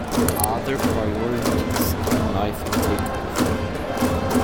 Other priorities in life can take over.